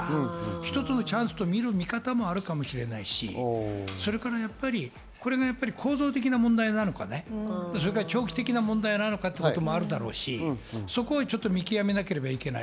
一つのチャンスと見る見方もあるかもしれないし、これはやっぱり構造的な問題なのか長期的な問題なのかってのもあるだろうし、そこを見極めなければいけない。